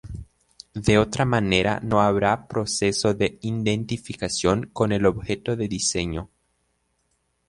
De otra manera no habrá proceso de identificación con el objeto de diseño.